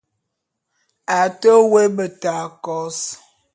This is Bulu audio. A te woé beta kôs.